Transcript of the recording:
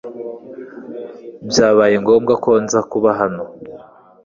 byabaye ngombwa ko nza kuba hano